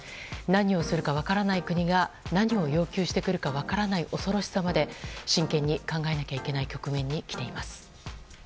何をするか分からない国が何を要求してくるか分からない恐ろしさまで真剣に考えなきゃいけない局面に来ています。